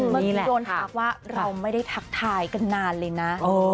เมื่อกี้โดนทักว่าเราไม่ได้ทักทายกันนานเลยนะ